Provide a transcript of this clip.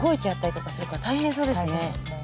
大変ですね。